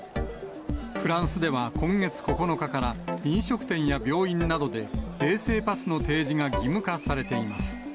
フランスでは今月９日から、飲食店や病院などで、衛生パスの提示が義務化されています。